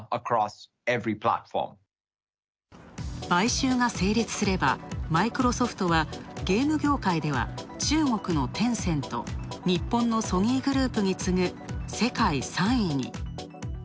買収が成立すれば、マイクロソフトはゲーム業界では中国のテンセント、日本のソニーグループに次ぐ世界３位に。